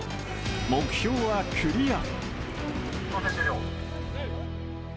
目標はクリア。